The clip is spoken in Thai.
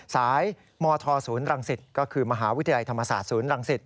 สายมธศูนย์รังสิตก็คือมหาวิทยาลัยธรรมศาสตร์ศูนย์รังสิต